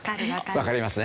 わかりますね。